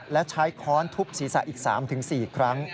และใช้ค้อนทุบศีรษะอีก๓๔ครั้ง